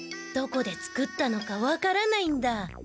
どこで作ったのかわからないんだ。